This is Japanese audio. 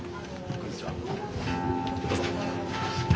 こんにちは。